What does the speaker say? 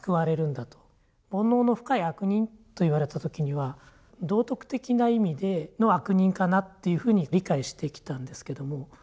「煩悩の深い悪人」と言われた時には道徳的な意味での「悪人」かなっていうふうに理解してきたんですけども。